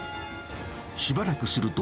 しばらくすると、